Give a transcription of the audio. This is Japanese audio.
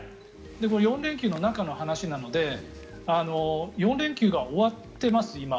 ４連休の中の話なので４連休が終わってます、今。